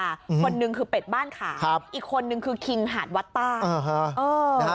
คนนึงคือเป็ดบ้านขาอีกคนนึงคือคิงหาดวัดใต้